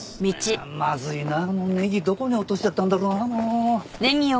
まずいなあネギどこに落としちゃったんだろうなもう。